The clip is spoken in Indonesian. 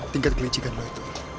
tingkat kelincikan lo itu